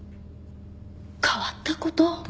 変わった事？